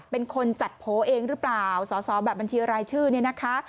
เป็นคนจัดโผล่เองหรือเปล่าสอสอแบบบัญชีรายชื่อเนี่ยนะคะ